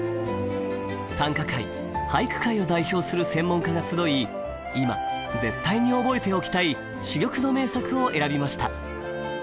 短歌界俳句界を代表する専門家が集い今絶対に覚えておきたい珠玉の名作を選びました。